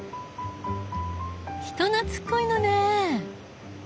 人懐っこいのね。